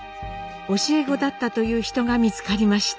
教え子だったという人が見つかりました。